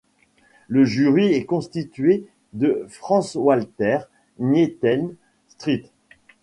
Le jury est constitué de Franzwalter Nieten, St.